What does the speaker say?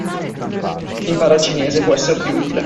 Impara il cinese, può esserti utile.